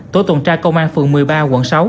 tổ tuần tra công an phường một mươi ba quận sáu